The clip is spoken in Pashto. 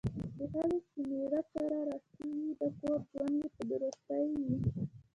د ښځې چې میړه سره راستي وي ،د کور ژوند یې په درستي وي.